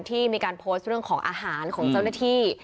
ที่มีการโพสต์เรื่องของอาหารของเจ้าหน้าที่